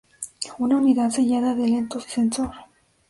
Una unidad sellada de lentos y sensor.